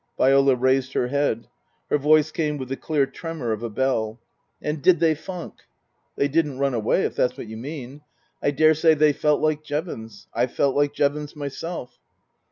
Viola raised her head. Her voice came with the clear tremor of a bell :" And did they funk ?"" They didn't run away, if that's what you mean. I daresay they felt like Jevons. I've felt like Jevons my self."